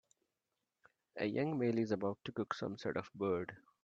A young male is about to cook some sort of bird.